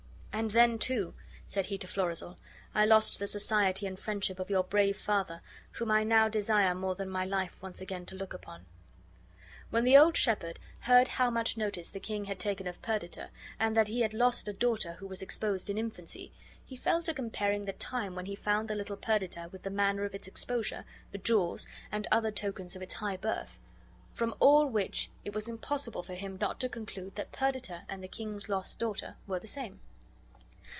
"And then, too," said he to Florizel, "I lost the society and friendship of your brave father, whom I now desire more than my life once again to look upon." When the old shepherd heard how much notice the king had taken of Perdita, and that he had lost a daughter who was exposed in infancy, he fell to comparing the time when he found the little Perdita with the manner of its exposure, the jewels and other tokens of its high birth; from all which it was impossible for him not to conclude that Perdita and the king's lost daughter were the same.